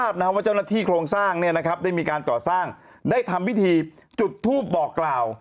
ได้มีการต่อสร้างได้ทำวิธีจุดทูบบอกกล่าว